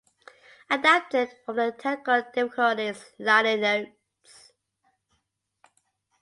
Adapted from the "Technical Difficulties" liner notes.